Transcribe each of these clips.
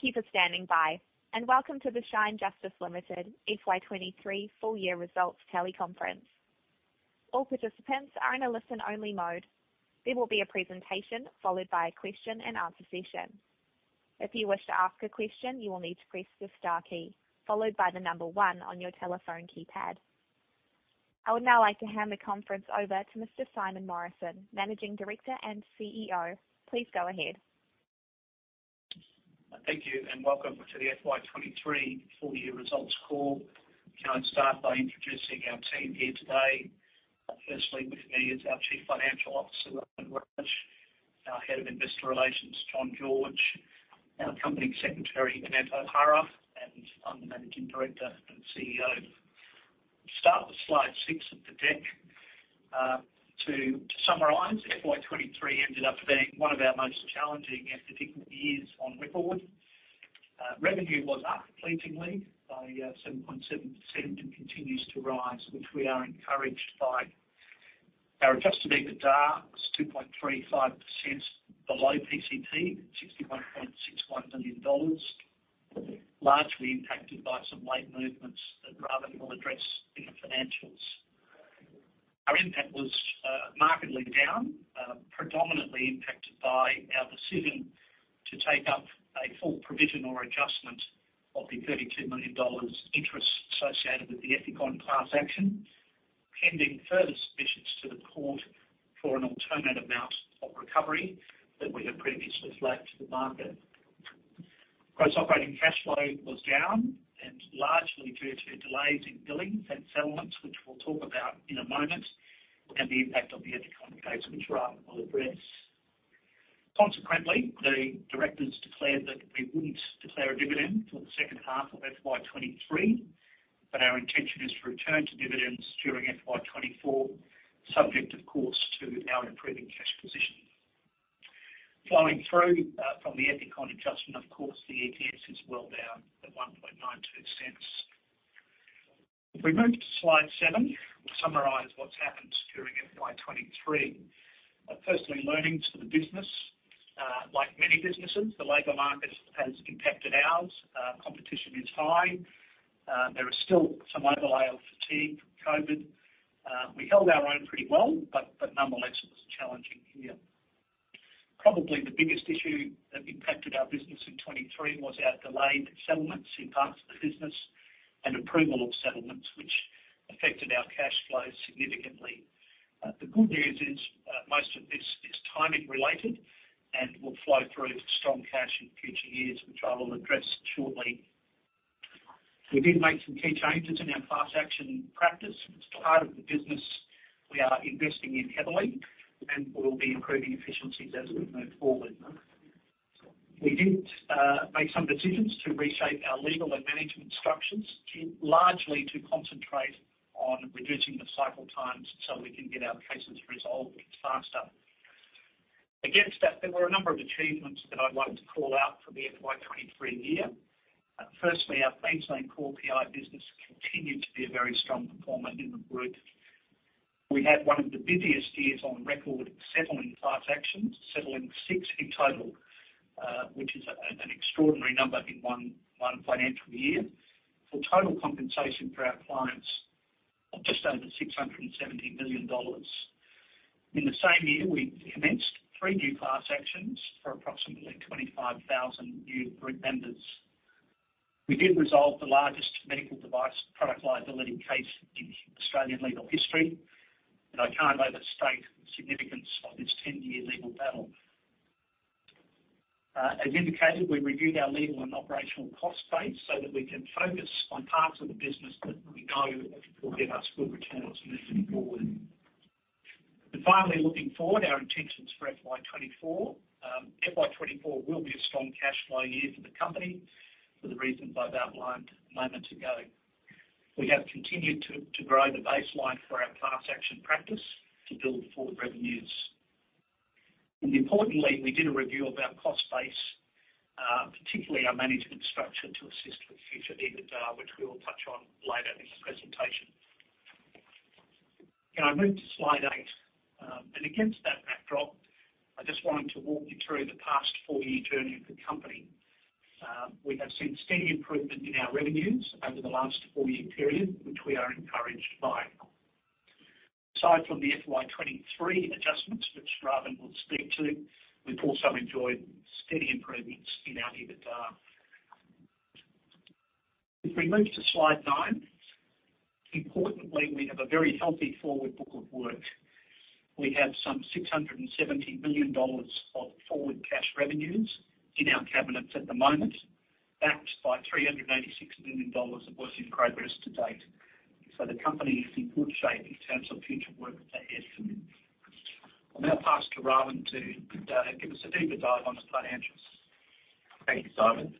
Thank you for standing by, and welcome to the Shine Justice Ltd FY 2023 full year results teleconference. All participants are in a listen-only mode. There will be a presentation followed by a question and answer session. If you wish to ask a question, you will need to press the star key, followed by the number 1 on your telephone keypad. I would now like to hand the conference over to Mr. Simon Morrison, Managing Director and CEO. Please go ahead. Thank you, and welcome to the FY 2023 full year results call. Can I start by introducing our team here today? Firstly, with me is our Chief Financial Officer, Ravin Raj, our Head of Investor Relations, John George, our Company Secretary, Annette O'Hara, and I'm the Managing Director and CEO. Start with slide 6 of the deck. To summarize, FY 2023 ended up being one of our most challenging and difficult years on record. Revenue was up pleasingly by 7.7% and continues to rise, which we are encouraged by. Our adjusted EBITDA was 2.35% below PCP, 61.61 million dollars, largely impacted by some late movements that Robin will address in the financials. Our NPAT was markedly down, predominantly impacted by our decision to take up a full provision or adjustment of 32 million dollars interest associated with the Ethicon class action, pending further submissions to the court for an alternate amount of recovery that we have previously flagged to the market. Gross operating cash flow was down and largely due to delays in billings and settlements, which we'll talk about in a moment, and the impact of the Ethicon case, which Robin will address. Consequently, the directors declared that we wouldn't declare a dividend for the second half of FY 2023, but our intention is to return to dividends during FY 2024, subject, of course, to our improving cash position. Flowing through, from the Ethicon adjustment, of course, the EPS is well down at 0.0192. If we move to slide 7, we'll summarize what's happened during FY 2023. Firstly, learnings for the business. Like many businesses, the labor market has impacted ours. Competition is high. There is still some overlay of fatigue from COVID. We held our own pretty well, but, but nonetheless, it was challenging here. Probably the biggest issue that impacted our business in 2023 was our delayed settlements in parts of the business and approval of settlements, which affected our cash flow significantly. The good news is, most of this is timing related and will flow through to strong cash in future years, which I will address shortly. We did make some key changes in our class action practice. It's part of the business we are investing in heavily and will be improving efficiencies as we move forward. We did make some decisions to reshape our legal and management structures, to, largely to concentrate on reducing the cycle times so we can get our cases resolved faster. Against that, there were a number of achievements that I wanted to call out for the FY 2023 year. Firstly, our mainline core PI business continued to be a very strong performer in the group. We had one of the busiest years on record, settling class actions, settling 6 in total, which is an extraordinary number in one financial year. For total compensation for our clients, just over 670 million dollars. In the same year, we commenced 3 new class actions for approximately 25,000 new group members. We did resolve the largest medical device product liability case in Australian legal history, and I can't overstate the significance of this 10-year legal battle. As indicated, we reviewed our legal and operational cost base so that we can focus on parts of the business that we know will get us good returns moving forward. And finally, looking forward, our intentions for FY 2024. FY 2024 will be a strong cash flow year for the company for the reasons I've outlined moments ago. We have continued to grow the baseline for our class action practice to build forward revenues. And importantly, we did a review of our cost base, particularly our management structure, to assist with future EBITDA, which we will touch on later in the presentation. Can I move to slide 8? And against that backdrop, I just wanted to walk you through the past four-year journey of the company. We have seen steady improvement in our revenues over the last four-year period, which we are encouraged by. Aside from the FY 2023 adjustments, which Robin will speak to, we've also enjoyed steady improvements in our EBITDA. If we move to slide 9, importantly, we have a very healthy forward book of work. We have some 670 million dollars of forward cash revenues in our cabinets at the moment, backed by 386 million dollars of work in progress to date. So the company is in good shape in terms of future work ahead for me. I'll now pass to Ravin to give us a deeper dive on the financials. Thank you, Simon.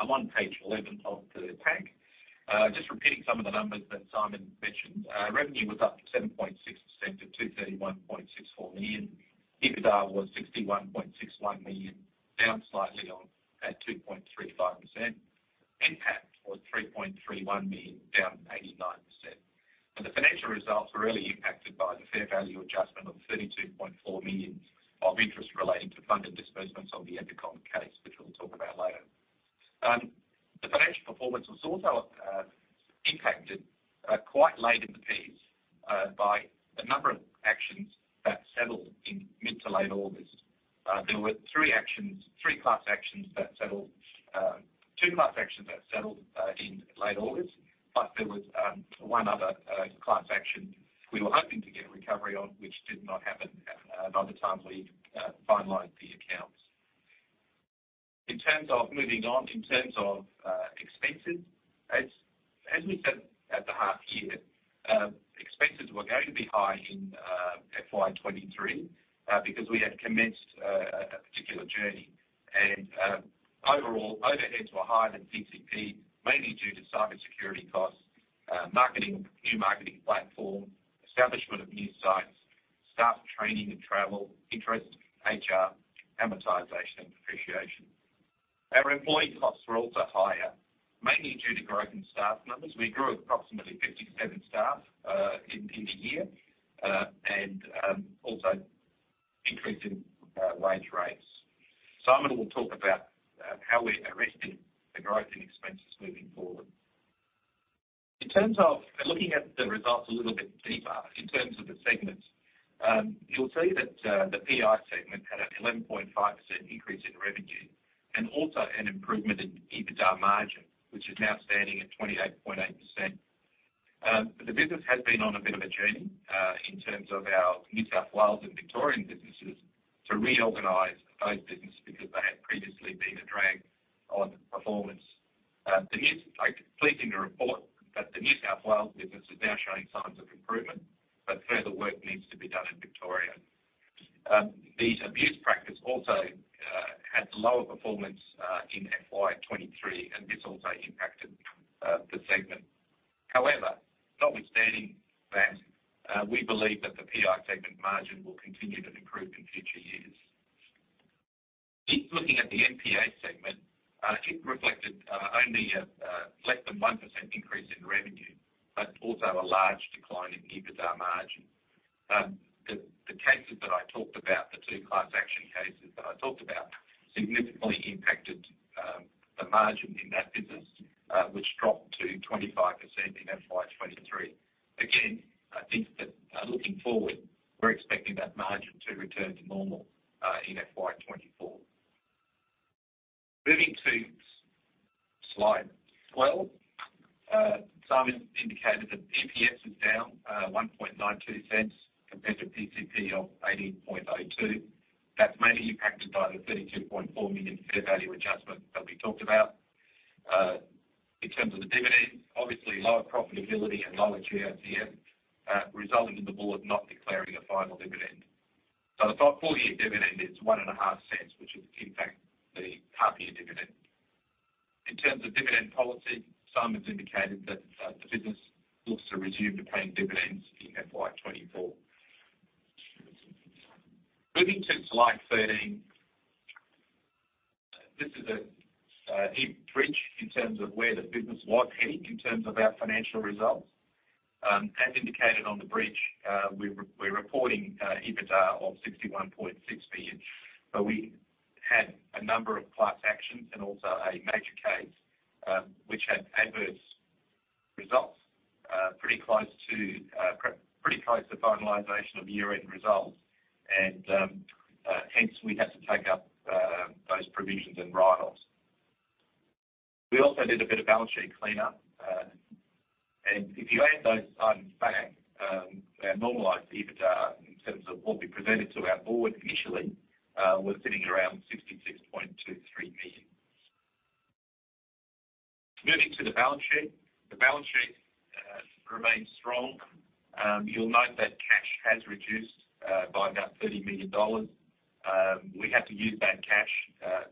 On page 11 of the pack, just repeating some of the numbers that Simon mentioned. Revenue was up 7.6% to 231.64 million. EBITDA was 61.61 million, down slightly on at 2.35%. NPAT was 3.31 million, down 89%- ...The financial results were really impacted by the fair value adjustment of 32.4 million of interest relating to funded disbursements on the Ethicon case, which we'll talk about later. The financial performance was also impacted quite late in the piece by a number of actions that settled in mid to late August. There were three actions, three class actions that settled, two class actions that settled in late August, but there was one other class action we were hoping to get a recovery on, which did not happen by the time we finalized the accounts. In terms of moving on, in terms of expenses, as, as we said at the half year, expenses were going to be high in FY 2023 because we had commenced a particular journey. Overall, overheads were higher than PCP, mainly due to cybersecurity costs, marketing, new marketing platform, establishment of new sites, staff training and travel, interest, HR, amortization, and depreciation. Our employee costs were also higher, mainly due to growth in staff numbers. We grew approximately 57 staff in a year, and also increase in wage rates. Simon will talk about how we're arresting the growth in expenses moving forward. In terms of looking at the results a little bit deeper, in terms of the segments, you'll see that the PI segment had an 11.5% increase in revenue and also an improvement in EBITDA margin, which is now standing at 28.8%. The business has been on a bit of a journey, in terms of our New South Wales and Victorian businesses, to reorganize both businesses because they had previously been a drag on performance. The news, like pleasing to report, that the New South Wales business is now showing signs of improvement, but further work needs to be done in Victoria. The abuse practice also had lower performance in FY 2023, and this also impacted the segment. However, notwithstanding that, we believe that the PI segment margin will continue to improve in future years. If looking at the NPA segment, it reflected only a less than 1% increase in revenue, but also a large decline in EBITDA margin. The cases that I talked about, the two class action cases that I talked about, significantly impacted the margin in that business, which dropped to 25% in FY 2023. Again, I think that, looking forward, we're expecting that margin to return to normal in FY 2024. Moving to slide 12. Simon indicated that EPS is down 0.0192 compared to PCP of 0.8002. That's mainly impacted by the 32.4 million fair value adjustment that we talked about. In terms of the dividend, obviously, lower profitability and lower GOCF resulted in the board not declaring a final dividend. So the full year dividend is 0.015, which is in fact the half year dividend. In terms of dividend policy, Simon's indicated that the business looks to resume paying dividends in FY 2024. Moving to slide 13. This is a bridge in terms of where the business was heading in terms of our financial results. As indicated on the bridge, we're reporting EBITDA of 61.6 billion, but we had a number of class actions and also a major case, which had adverse results pretty close to finalization of the year-end results, and hence, we had to take up those provisions and write-offs. We also did a bit of balance sheet cleanup, and if you add those items back, our normalized EBITDA, in terms of what we presented to our board initially, was sitting around 66.23 million. Moving to the balance sheet. The balance sheet remains strong. You'll note that cash has reduced by about 30 million dollars. We had to use that cash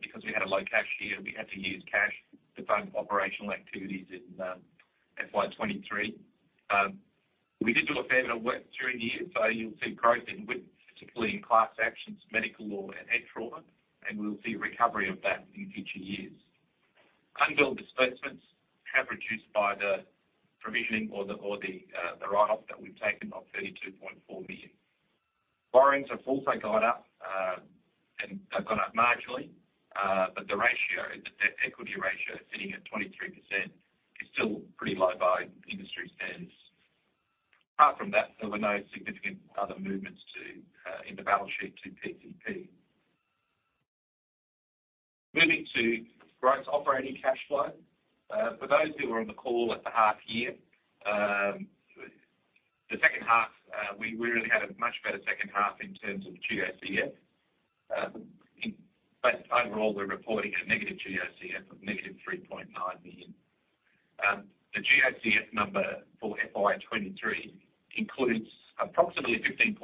because we had a low cash year. We had to use cash to fund operational activities in FY 2023. We did do a fair bit of work during the year, so you'll see growth in WIP, particularly in class actions, medical law, and head trauma, and we'll see recovery of that in future years. Unbilled disbursements have reduced by the provisioning or the write-off that we've taken of 32.4 million. Borrowings have also gone up, and they've gone up marginally, but the ratio, the debt equity ratio, sitting at 23%, is still pretty low by industry standards. Apart from that, there were no significant other movements in the balance sheet to PCP. Moving to gross operating cash flow. For those who were on the call at the half year, the second half, we really had a much better second half in terms of GOCF. But overall, we're reporting a negative GOCF of negative 3.9 million. The GOCF number for FY 2023 includes approximately 15.6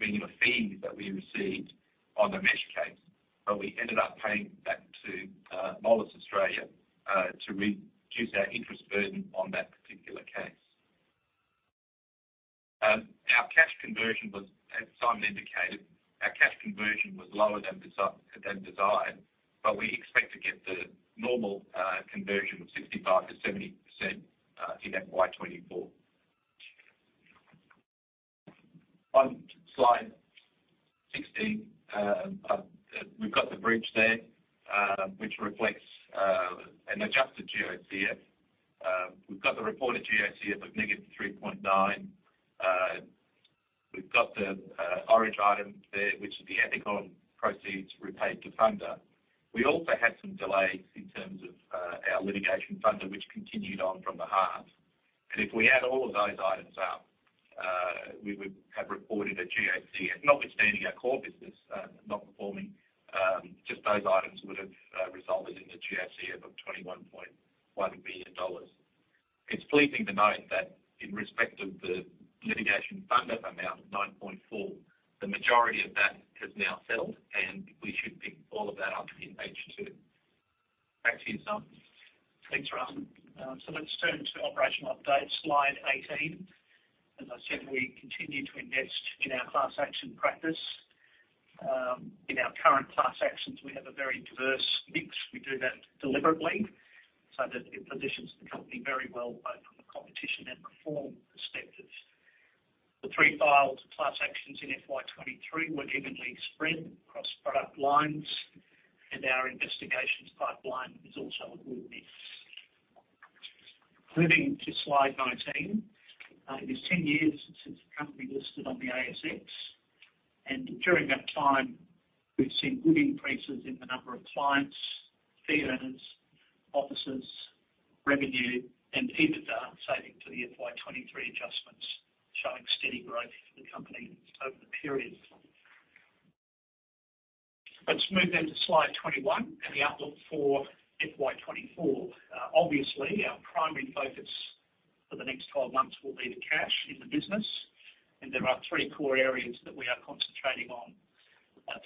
million of fees that we received on the Mesh case, but we ended up paying that to Omni Bridgeway to reduce our interest burden on that particular case. Our cash conversion was, as Simon indicated, conversion was lower than desired, but we expect to get the normal conversion of 65%-70% in FY 2024. On Slide 16, we've got the bridge there, which reflects an adjusted GOCF. We've got the reported GOCF of -3.9. We've got the orange item there, which is the Ethicon proceeds repaid to funder. We also had some delays in terms of our litigation funder, which continued on from the half. If we add all of those items up, we would have reported a GOCF notwithstanding our core business not performing. Just those items would have resulted in the GOCF of 21.1 billion dollars. It's pleasing to note that in respect of the litigation funder amount of 9.4, the majority of that has now settled, and we should pick all of that up in H2. Back to you, Simon. Thanks, Robin. So let's turn to operational update, Slide 18. As I said, we continue to invest in our class action practice. In our current class actions, we have a very diverse mix. We do that deliberately so that it positions the company very well, both from a competition and performance perspective. The 3 filed class actions in FY 2023 were evenly spread across product lines, and our investigations pipeline is also a good mix. Moving to Slide 19. It is 10 years since the company listed on the ASX, and during that time, we've seen good increases in the number of clients, fee earners, officers, revenue, and EBITDA, subject to the FY 2023 adjustments, showing steady growth for the company over the period. Let's move then to Slide 21 and the outlook for FY 2024. Obviously, our primary focus for the next 12 months will be the cash in the business, and there are 3 core areas that we are concentrating on.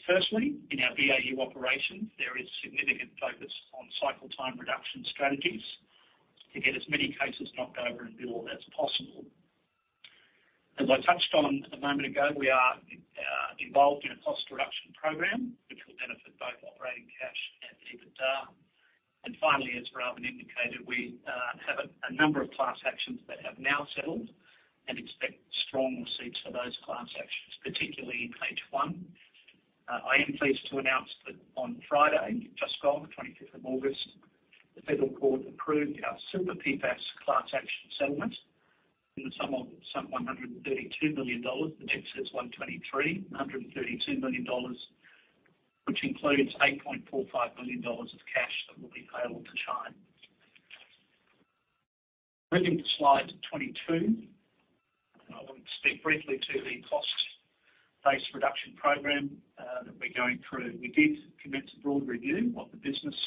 Firstly, in our BAU operations, there is significant focus on cycle time reduction strategies to get as many cases knocked over and billed as possible. As I touched on a moment ago, we are involved in a cost reduction program which will benefit both operating cash and EBITDA. And finally, as Robin indicated, we have a number of class actions that have now settled and expect strong receipts for those class actions, particularly in H1. I am pleased to announce that on Friday, just gone, the 25th of August, the Federal Court approved our Seven PFAS class action settlement in the sum of some 132 million dollars. The deed says 123. 132 million dollars, which includes 8.45 million dollars of cash that will be payable to Shine. Moving to Slide 22. I want to speak briefly to the cost base reduction program, that we're going through. We did commence a broad review of the business.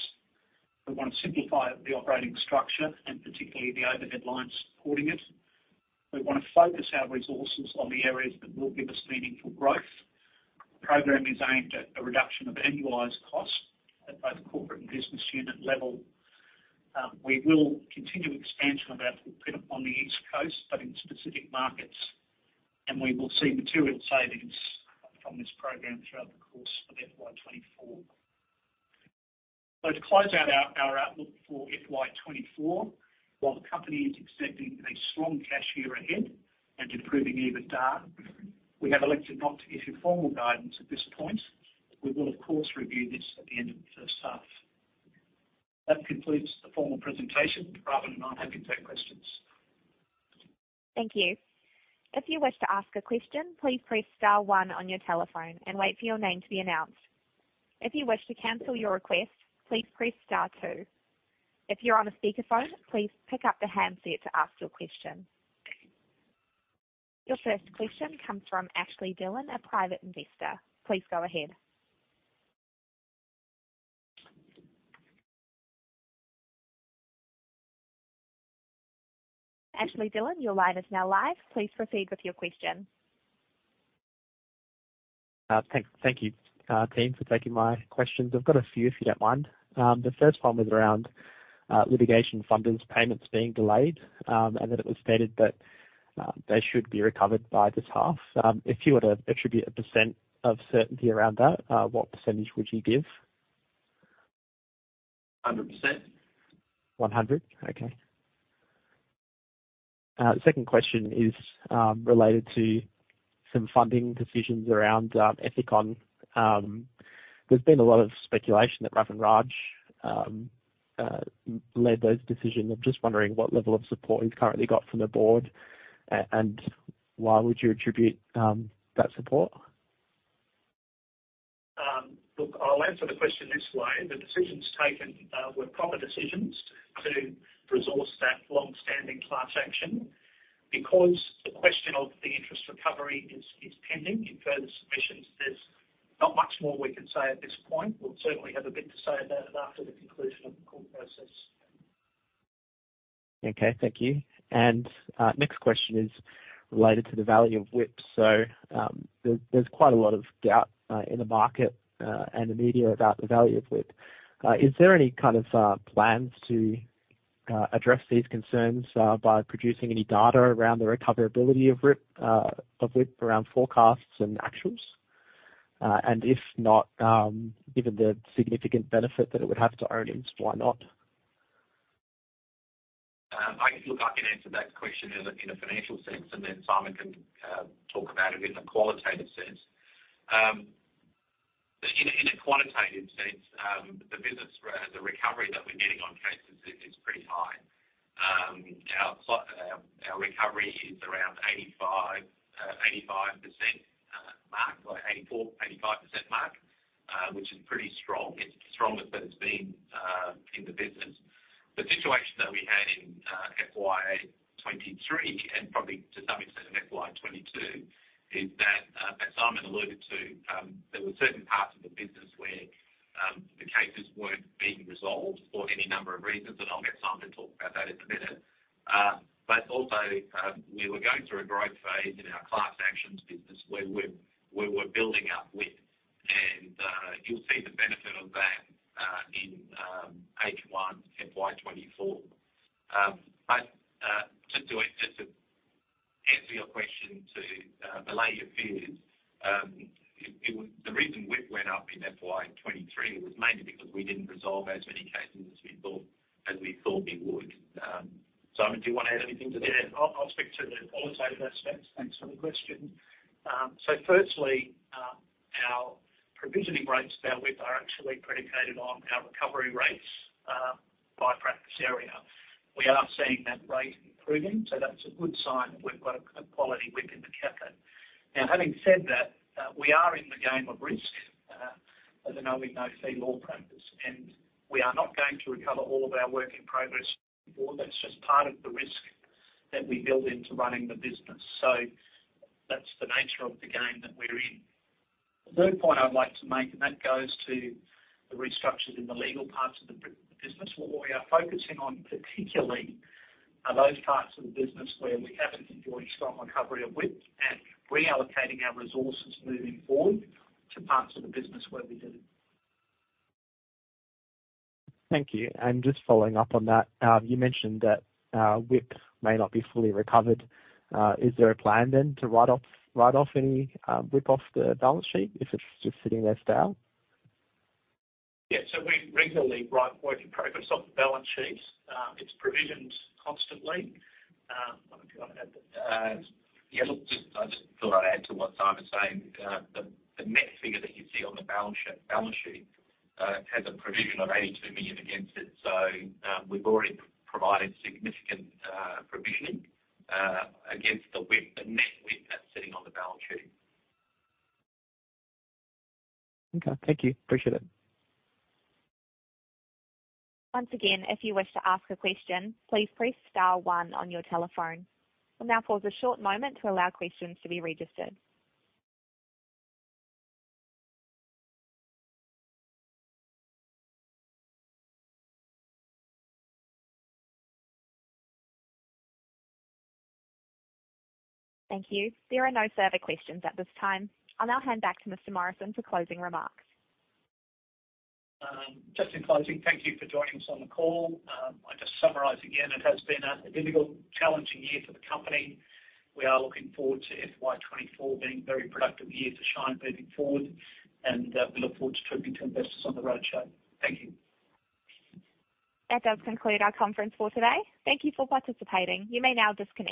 We want to simplify the operating structure and particularly the overhead lines supporting it. We want to focus our resources on the areas that will give us meaningful growth. The program is aimed at a reduction of annualized costs at both corporate and business unit level. We will continue expansion of our footprint on the East Coast, but in specific markets, and we will see material savings from this program throughout the course of FY 2024. So to close out our outlook for FY 2024, while the company is expecting a strong cash year ahead and improving EBITDA, we have elected not to issue formal guidance at this point. We will, of course, review this at the end of the first half. That concludes the formal presentation. Robin and I are happy to take questions. Thank you. If you wish to ask a question, please press star one on your telephone and wait for your name to be announced. If you wish to cancel your request, please press star two. If you're on a speakerphone, please pick up the handset to ask your question. Your first question comes from Ashley Dillon, a private investor. Please go ahead. Ashley Dillon, your line is now live. Please proceed with your question. Thank you, team, for taking my questions. I've got a few, if you don't mind. The first one was around litigation fundings, payments being delayed, and that it was stated that they should be recovered by this half. If you were to attribute a percent of certainty around that, what percentage would you give? Hundred percent. 100? Okay. The second question is related to some funding decisions around Ethicon. There's been a lot of speculation that Ravin Raj led those decisions. I'm just wondering what level of support he's currently got from the board, and why would you attribute that support? Look, I'll answer the question this way. The decisions taken were proper decisions to resource that long-standing class action. Because the question of the interest recovery is pending in further submissions, there's not much more we can say at this point. We'll certainly have a bit to say about it after the conclusion of the court process. Okay, thank you. Next question is related to the value of WIP. There's, there's quite a lot of doubt in the market and the media about the value of WIP. Is there any kind of plans to address these concerns by producing any data around the recoverability of WIP of WIP around forecasts and actuals? And if not, given the significant benefit that it would have to earnings, why not? I can answer that question in a financial sense, and then Simon can talk about it in a qualitative sense. But in a quantitative sense, the business, the recovery that we're getting on cases is pretty high. Our payout recovery is around 85% mark, or We are seeing that rate improving, so that's a good sign that we've got a quality WIP in the capital. Now, having said that, we are in the game of risk as a no-win, no-fee law practice, and we are not going to recover all of our work in progress. Well, that's just part of the risk that we build into running the business. So that's the nature of the game that we're in. The third point I'd like to make, and that goes to the restructures in the legal parts of the business. What we are focusing on, particularly, are those parts of the business where we haven't enjoyed strong recovery of WIP and reallocating our resources moving forward to parts of the business where we do. Thank you. And just following up on that, you mentioned that WIP may not be fully recovered. Is there a plan then to write off, write off any WIP off the balance sheet if it's just sitting there stale? Yeah. So we regularly write work in progress off the balance sheet. It's provisioned constantly. Do you want to add? Yeah, look, I just thought I'd add to what Simon said. The net figure that you see on the balance sheet has a provision of 82 million against it. So, we've already provided significant provisioning against the WIP, the net WIP that's sitting on the balance sheet. Okay. Thank you. Appreciate it. Once again, if you wish to ask a question, please press star one on your telephone. We'll now pause a short moment to allow questions to be registered. Thank you. There are no further questions at this time. I'll now hand back to Mr. Morrison for closing remarks. Just in closing, thank you for joining us on the call. I just summarize again, it has been a difficult, challenging year for the company. We are looking forward to FY 2024 being a very productive year for Shine moving forward, and we look forward to talking to investors on the roadshow. Thank you. That does conclude our conference for today. Thank you for participating. You may now disconnect.